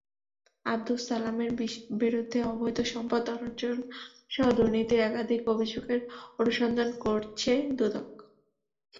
আবদুস সালামের বিরুদ্ধে অবৈধ সম্পদ অর্জনসহ দুর্নীতির একাধিক অভিযোগের অনুসন্ধান করছে দুদক।